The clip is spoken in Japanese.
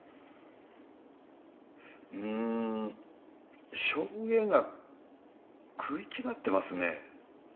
ん証言が食い違ってますね。